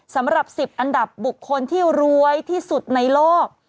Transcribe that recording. สำหรับ๑๐อันดับบุคคลที่รวยที่สุดในโลก